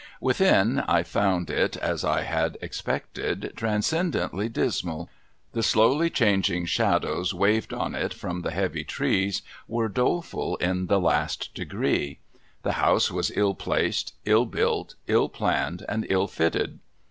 Within, I found it, as I had expected, transcendently dismal. The slowly changing shadows waved on it from the heavy trees were doleful in the last degree ; the house was ill placed, ill built, ill planned, and ill fitted.